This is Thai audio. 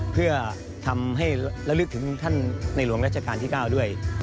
เพื่อทำให้ระลึกถึงท่านในหลวงราชการที่๙ด้วย